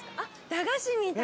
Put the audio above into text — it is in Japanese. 駄菓子みたいな。